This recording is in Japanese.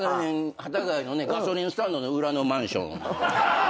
幡ヶ谷のガソリンスタンドの裏のマンション。